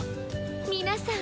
皆さん